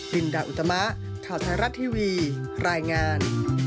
ลินดาอุตมะข่าวไทยรัฐทีวีรายงาน